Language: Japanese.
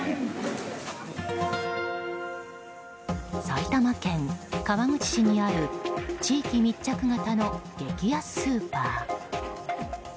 埼玉県川口市にある地域密着型の激安スーパー。